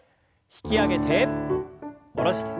引き上げて下ろして。